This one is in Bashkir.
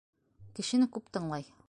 Кешене күп тыңлай.